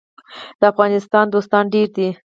د افغانستان دوستان ډیر دي